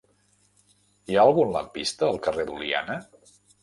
Hi ha algun lampista al carrer d'Oliana?